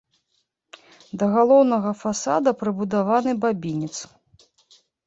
Да галоўнага фасада прыбудаваны бабінец.